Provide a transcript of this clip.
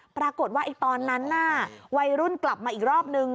ปรากฏว่าตอนนั้นน่ะวัยรุ่นกลับมาอีกรอบนึง